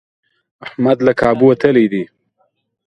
احمد له کابو وتلی دی.